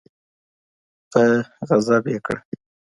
په غضب یې کړه